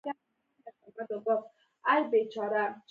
دوی د مستعمره هېوادونو تجارت په خپل انحصار کې راوړی و